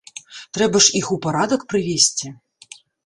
Трэба ж іх у парадак прывесці.